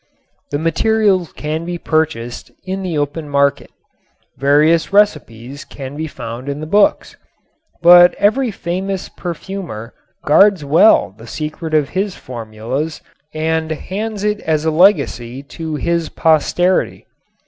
The materials can be purchased in the open market. Various recipes can be found in the books. But every famous perfumer guards well the secret of his formulas and hands it as a legacy to his posterity.